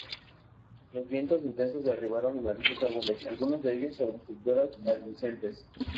Los vientos intensos derribaron numerosos árboles, algunos de ellos sobre estructuras adyacentes.